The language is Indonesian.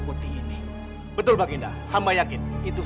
tapi ini pemberdayaan ibuku